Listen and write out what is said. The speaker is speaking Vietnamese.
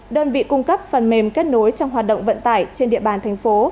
đơn vị cung cấp phần mềm kết nối trong hoạt động vận tải trên địa bàn thành phố